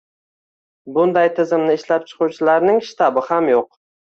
Bunday tizimni ishlab chiquvchilarning shtabi ham yo‘q.